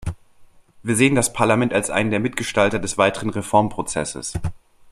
Wir sehen das Parlament als einen der Mitgestalter des weiteren Reformprozesses.